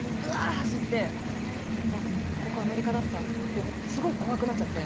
走って「あっここアメリカだった」ってすごい怖くなっちゃって。